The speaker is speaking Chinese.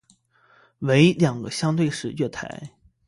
为两个相对式月台。